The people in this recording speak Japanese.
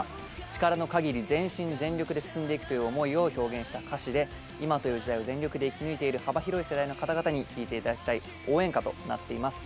力の限り全身全力で進んで行くという思いを表現した歌詞で今という時代を全力で生き抜いている幅広い世代の方々に聴いていただきたい応援歌となっています